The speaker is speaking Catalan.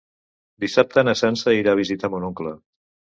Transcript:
Dissabte na Sança irà a visitar mon oncle.